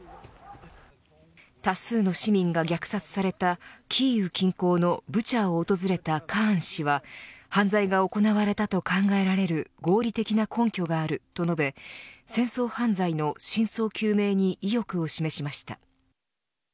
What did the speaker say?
多数の市民が虐殺されたキーウ近郊のブチャを訪れたカーン氏は犯罪が行われたと考えられる合理的な根拠があると述べ戦争犯罪の真相究明に意欲を示しました。